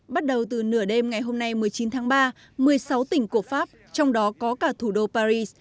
bắt đầu từ nửa đêm ngày hôm nay một mươi chín tháng ba một mươi sáu tỉnh của pháp trong đó có cả thủ đô paris